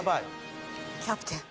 キャプテン。